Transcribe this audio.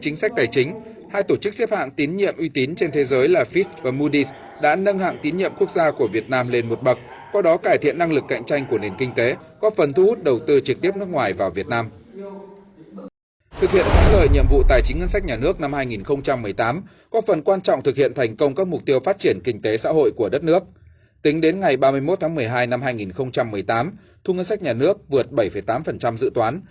ngày ba mươi một tháng một mươi hai năm hai nghìn một mươi tám thu ngân sách nhà nước vượt bảy tám dự toán